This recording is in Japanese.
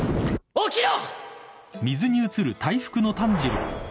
起きろ！